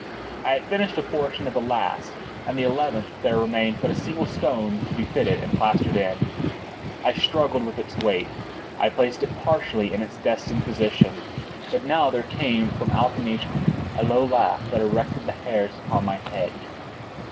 I had finished a portion of the last and the eleventh; there remained but a single stone to be fitted and plastered in. I struggled with its weight; I placed it partially in its destined position. But now there came from out the niche a low laugh that erected the hairs upon my head.